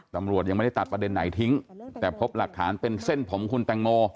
ตำรวจยังไม่ได้ตัดประเด็นไหนทิ้งแต่พบหลักฐานเป็นเส้นผมคุณแตงโม